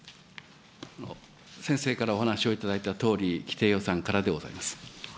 先生からお話をいただいたとおり、既定予算からでございます。